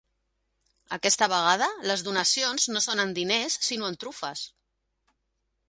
Aquesta vegada, les donacions no són en diners sinó en "trufes".